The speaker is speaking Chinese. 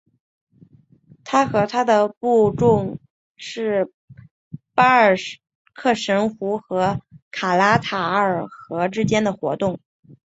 他和他的部众是巴尔喀什湖和卡拉塔尔河之间活动。